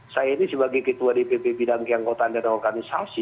saya ini sebagai ketua dpp bidang keangkotaan dan organisasi